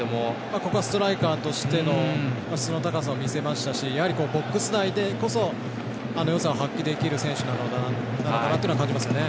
ここはストライカーとしての質の高さを見せましたし、ボックス内でこそよさを発揮できる選手なのかなと感じますよね。